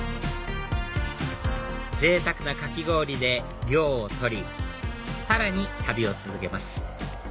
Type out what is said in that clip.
ぜいたくなかき氷で涼をとりさらに旅を続けます